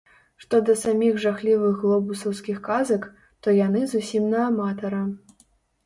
Што да саміх жахлівых глобусаўскіх казак, то яны зусім на аматара.